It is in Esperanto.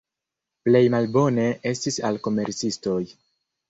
Plej malbone estis al komercistoj.